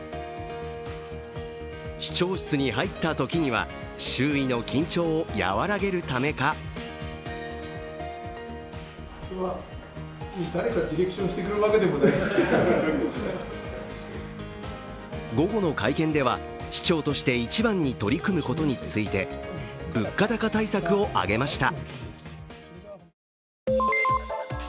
市長室に入ったときには周囲の緊張を和らげるためか午後の会見では、市長として一番に取り組むことについて物価高対策を挙げました。